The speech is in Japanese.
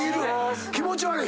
気持ち悪い！